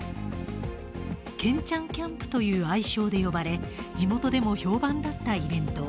けんちゃんキャンプという愛称で呼ばれ、地元でも評判だったイベント。